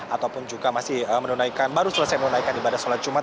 ataupun juga masih menunaikan baru selesai menunaikan ibadah sholat jumat